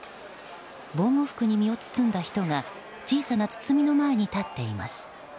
防護服に身を包んだ人が小さな包みの前に立っています。